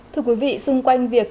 thưa quý vị xung quanh việc